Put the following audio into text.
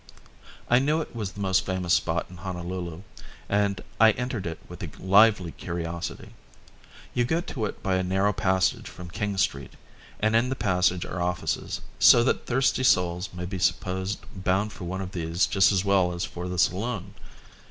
I knew it was the most famous spot in Honolulu and I entered it with a lively curiosity. You get to it by a narrow passage from King Street, and in the passage are offices, so that thirsty souls may be supposed bound for one of these just as well as for the saloon.